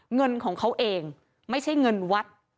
เงินของเขาเองไม่ใช่เงินวัด